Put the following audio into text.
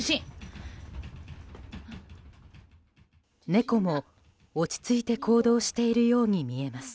猫も落ち着いて行動しているように見えます。